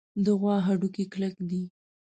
د غوا هډوکي کلک دي.